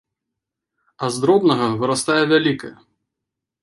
А з дробнага вырастае вялікае.